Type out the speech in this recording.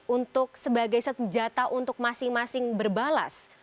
untuk sebagai senjata untuk masing masing berbalas